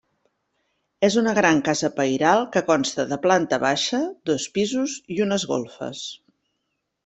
És una gran casa pairal que consta de planta baixa, dos pisos i unes golfes.